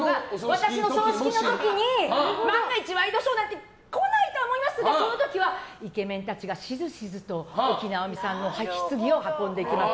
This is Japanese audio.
私の葬式の時に万が一、ワイドショーなんて来ないとは思いますがその時はイケメンたちがしずしずと沖直実さんのひつぎを運んでいきます。